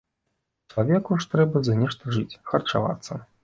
Чалавеку ж трэба за нешта жыць, харчавацца.